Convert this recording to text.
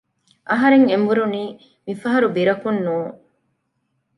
އަހަރެން އެނބުރުނީ މިފަހަރު ބިރަކުން ނޫން